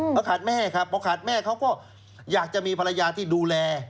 เขาขาดแม่ครับพอขาดแม่เขาก็อยากจะมีภรรยาที่ดูแล